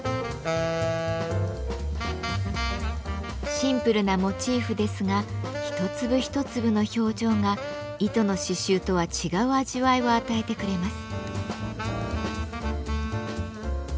シンプルなモチーフですが一粒一粒の表情が糸の刺繍とは違う味わいを与えてくれます。